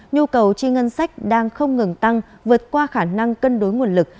nhu cầu chi ngân sách đang không ngừng tăng vượt qua khả năng cân đối nguồn lực